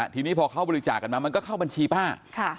ทีนี้พอเขาบริจาคกันมามันก็เข้าบัญชีป้า